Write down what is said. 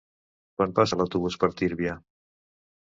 Quan passa l'autobús per Tírvia?